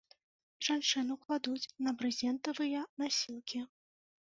Жанчыну кладуць на брызентавыя насілкі.